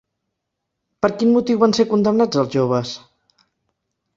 Per quin motiu van ser condemnats els joves?